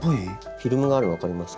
フィルムがあるの分かりますか？